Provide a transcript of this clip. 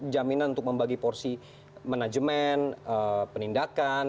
jaminan untuk membagi porsi manajemen penindakan